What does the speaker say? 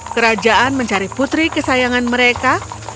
kerajaan mencari putri kesayangan mereka